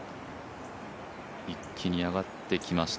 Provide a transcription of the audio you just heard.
一気に上がってきました。